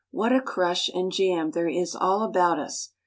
What a crush and jam there is all about us!